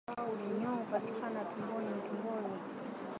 Minyoo hupatikana tumboni utumboni au katika ini